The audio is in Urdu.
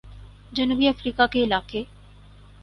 جنوبی افریقہ کے علاقہ